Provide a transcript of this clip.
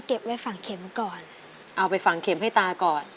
เอาไปฝั่งเข็มให้ตากอด